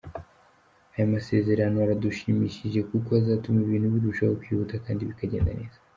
Aya masezerano aradushimishije kuko azatuma ibintu birushaho kwihuta kandi bikagenda neza.